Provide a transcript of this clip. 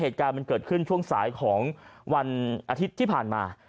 ถ้าเกิดขึ้นช่วงสายของวันอาทิตย์ที่ผ่านมา